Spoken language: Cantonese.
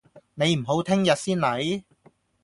你唔好聽日先黎？